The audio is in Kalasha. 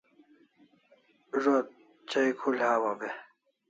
Zo't chai khul hawaw e?